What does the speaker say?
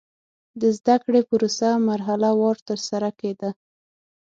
د زده کړې پروسه مرحله وار ترسره کېده.